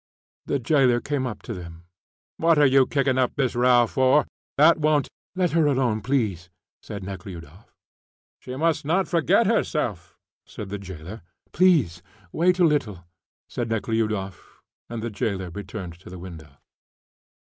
The jailer came up to them. "What are you kicking up this row for?' That won't " "Let her alone, please," said Nekhludoff. "She must not forget herself," said the jailer. "Please wait a little," said Nekhludoff, and the jailer returned to the window.